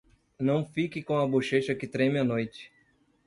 Não fique com a bochecha que treme à noite.